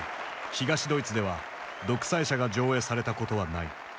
東ドイツでは「独裁者」が上映されたことはない。